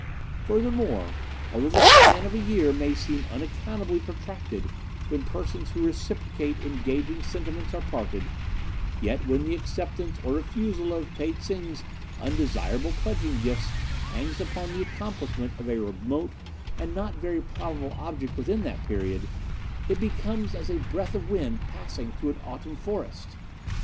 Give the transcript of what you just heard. Furthermore, although the span of a year may seem unaccountably protracted when persons who reciprocate engaging sentiments are parted, yet when the acceptance or refusal of Pe tsing's undesirable pledging gifts hangs upon the accomplishment of a remote and not very probable object within that period, it becomes as a breath of wind passing through an autumn forest.